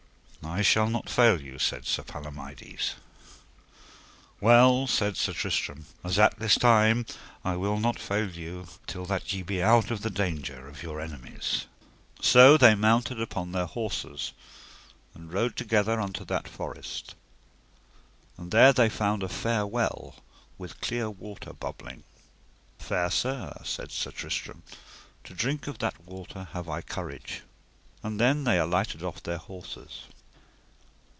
I shall not fail you, said Sir Palomides. Well, said Sir Tristram, as at this time I will not fail you till that ye be out of the danger of your enemies. So they mounted upon their horses, and rode together unto that forest, and there they found a fair well, with clear water bubbling. Fair sir, said Sir Tristram, to drink of that water have I courage; and then they alighted off their horses.